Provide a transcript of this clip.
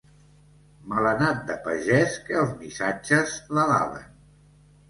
Malanat de pagès que els missatges l'alaben.